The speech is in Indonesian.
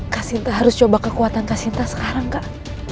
kak sinta harus coba kekuatan kak sinta sekarang kak